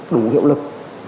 đủ hiệu lực